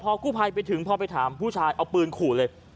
พอกู้ภัยไปถึงพอไปถามผู้ชายเอาปืนขู่เลย